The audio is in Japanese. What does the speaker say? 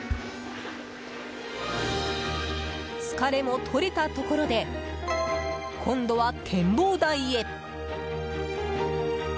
疲れも取れたところで今度は展望台へ。